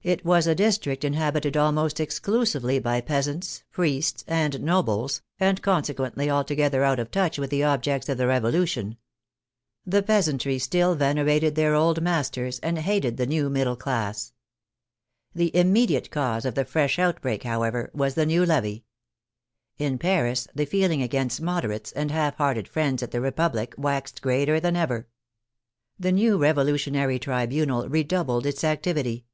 It was a district inhabited almost exclusively by peasants, priests, and nobles, and consequently alto gether out of touch with the objects of the Revolution. The peasantry still venerated their old masters, and hated the new middle class. The immediate cause of the fresh S8 THE FRENCH REVOLUTION outbreak, however, was the new levy. In Paris the feel ing against " Moderates " and half hearted friends of the Republic waxed greater than ever. The new Revolution ary Tribunal redoubled its activity.